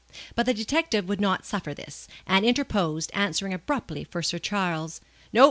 But the detective would not suffer this, and interposed, answering abruptly for Sir Charles: "No.